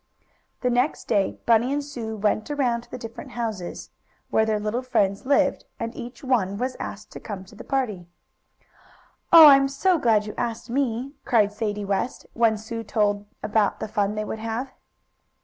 The next day Bunny and Sue went around to the different houses, where their little friends lived, and each one was asked to come to the party. "Oh, I'm so glad you asked me!" cried Sadie West, when Sue told about the fun they would have.